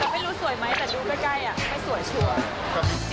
ไม่รู้สวยไหมแต่ดูใกล้ไม่สวยชัวร์